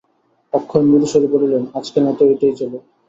অক্ষয় মৃদুস্বরে বলিলেন, আজকের মতো এইটেই চলুক।